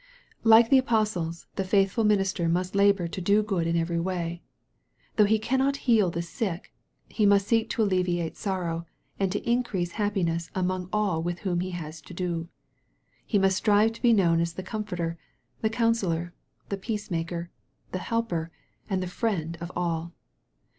Like the apostles, the faithful minister must labor to do good in every way. Though he cannot heal the sick, he must seek to alleviate sorrow, and to increase happi ness among all with whom he has to do. He must strive to be known as the comforter, the counsellor, the peace maker, the helper, and the friend of all.